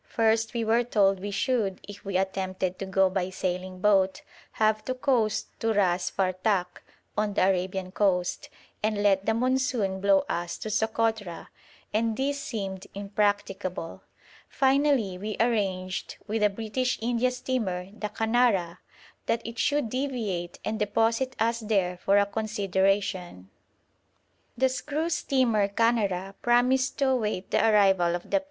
First we were told we should, if we attempted to go by sailing boat, have to coast to Ras Fartak, on the Arabian coast, and let the monsoon blow us to Sokotra, and this seemed impracticable. Finally we arranged with a British India steamer, the Canara, that it should 'deviate' and deposit us there for a consideration. The ss. Canara promised to await the arrival of the P.